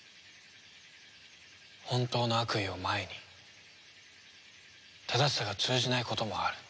本当の悪意を前に正しさが通じないこともある。